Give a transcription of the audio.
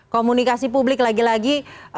komunikasi publik lagi lagi